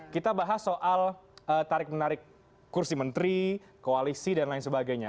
kita bahas soal tarik menarik kursi menteri koalisi dan lain sebagainya